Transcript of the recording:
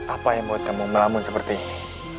apa yang membuat kamu melamun seperti ini